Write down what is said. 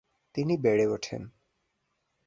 তিনি বেড়ে ওঠেন।